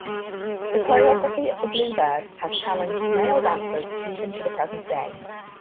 The choreography of the Bluebird has challenged male dancers even to the present day.